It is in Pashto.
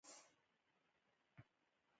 نباتات د خپلې ودې لپاره غذا ته اړتیا لري.